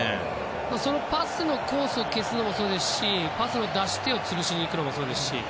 そのパスのコースを消すのもそうですしパスの出し手を潰しにいくのもそうですし。